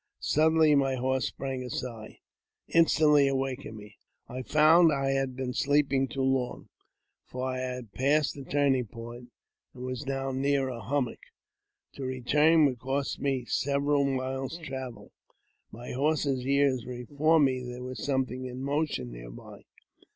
Suddenly my horse sprang aside, instantly ^waking me. I found I had been sleeping too long, for I I 346 AUTOBIOGEAPHY OF had passed the turning point, and was now near a hummock. To return would cost me several miles travel. My horse's ears informed me there was something in motion near by.